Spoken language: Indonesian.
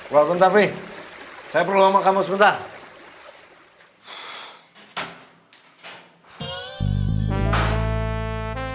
gua mau minta pi saya perlu ngomong sama kamu sebentar